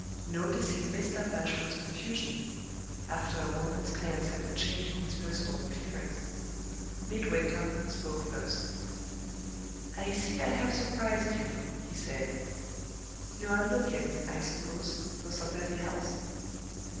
Noticing Mr. Bashwood's confusion (after a moment's glance at the change in his personal appearance), Midwinter spoke first. "I see I have surprised you," he said. "You are looking, I suppose, for somebody else?